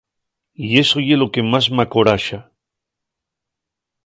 Y eso ye lo que más m'acoraxa.